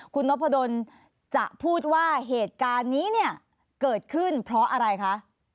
คุณนพดลจะพูดว่าเหตุการณ์นี้เนี่ยเกิดขึ้นเพราะอะไรคะ